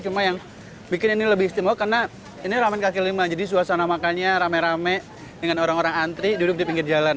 cuma yang bikin ini lebih istimewa karena ini ramen kaki lima jadi suasana makannya rame rame dengan orang orang antri duduk di pinggir jalan